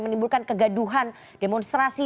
menimbulkan kegaduhan demonstrasi